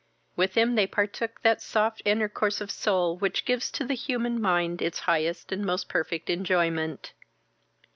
With him they partook that soft intercourse of soul which gives to the human mind its highest and most perfect enjoyment.